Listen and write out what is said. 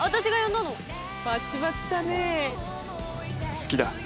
「好きだ」